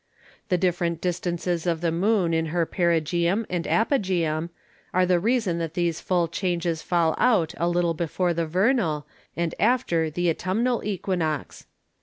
The different distances of the Moon in her Perigæum and Apogæum, are the Reason that these full changes fall out a little before the Vernal, and after the Autumnal Equinox.